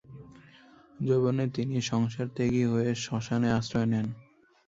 যৌবনে তিনি সংসারত্যাগী হয়ে শ্মশানে আশ্রয় নেন।